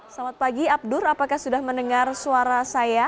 selamat pagi abdur apakah sudah mendengar suara saya